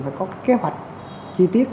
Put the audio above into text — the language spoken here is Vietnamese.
phải có kế hoạch chi tiết